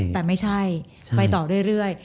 แต่ไม่ใช่ไปต่อเรื่อย